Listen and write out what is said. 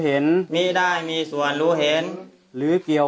ข้าพเจ้านางสาวสุภัณฑ์หลาโภ